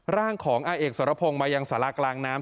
ร่างของอาเอกสรพงศ์มายังสารากลางน้ำ